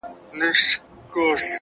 • ګلسوم د نجونو نښه ده تل..